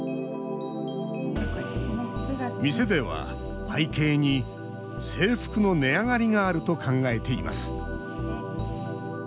店では、背景に制服の値上がりがあると考えています。